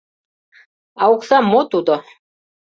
А окса мо тудо?